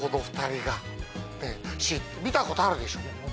見たことあるでしょ？